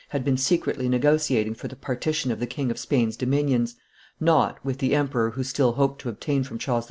had been secretly negotiating for the partition of the King of Spain's dominions, not with the emperor, who still hoped to obtain from Charles II.